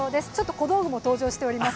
小道具も登場しております。